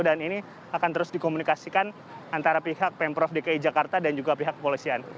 dan ini akan terus dikomunikasikan antara pihak pemprov dki jakarta dan juga pihak kepolisian